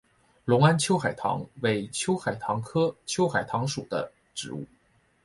隆安秋海棠为秋海棠科秋海棠属的植物。